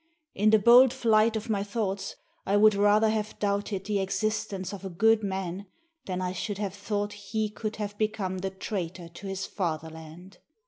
In the bold flight of my thoughts, I would rather have doubted the existence of a good man than I should have thought he could have become the traitor to his Fatherland.